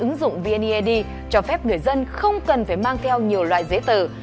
trên ứng dụng vnead cho phép người dân không cần phải mang theo nhiều loại giấy tờ